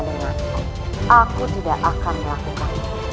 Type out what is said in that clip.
dengan ku aku tidak akan melakukannya